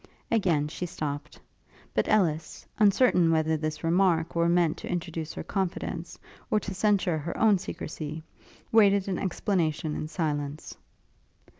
Again she stopt; but Ellis, uncertain whether this remark were meant to introduce her confidence, or to censure her own secresy, waited an explanation in silence.